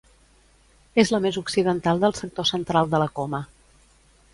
És la més occidental del sector central de la Coma.